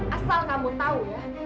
asal kamu tahu ya